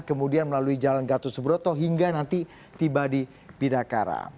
kemudian melalui jalan gatot subroto hingga nanti tiba di bidakara